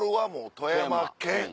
富山県。